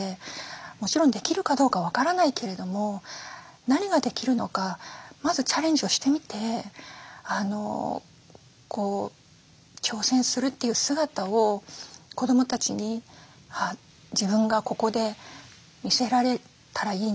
もちろんできるかどうか分からないけれども何ができるのかまずチャレンジをしてみて挑戦するという姿を子どもたちに自分がここで見せられたらいいなと。